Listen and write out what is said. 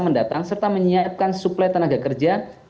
mendatang serta menyiapkan suplai tenaga kerja